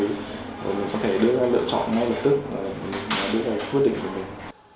mình có thể đưa ra lựa chọn ngay lập tức và đưa ra quyết định cho mình